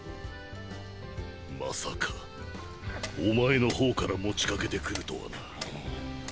まさかおまえの方から持ち掛けてくるとはな。